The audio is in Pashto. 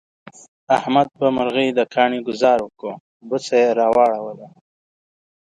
احمد په مرغی د کاڼي گذار وکړ، بوڅه یې را وړوله.